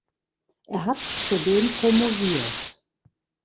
Er hat zudem promoviert.